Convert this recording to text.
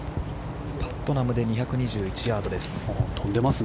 パットナムで２２１ヤードです。